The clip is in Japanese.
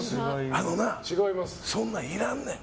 あのな、そんなんいらんねん。